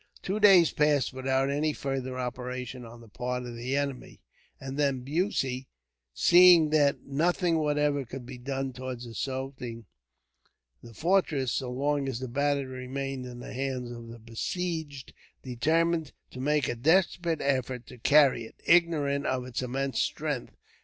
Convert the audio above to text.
Two days passed without any further operations on the part of the enemy; and then Bussy, seeing that nothing whatever could be done towards assaulting the fortress, so long as the battery remained in the hands of the besieged, determined to make a desperate effort to carry it, ignorant of its immense strength.